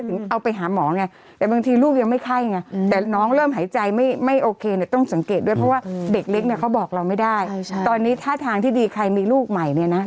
เพราะบางทีสุดท้ายมันจะไปที่ไข้